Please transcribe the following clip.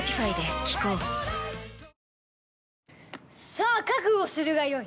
さあ覚悟するがよい！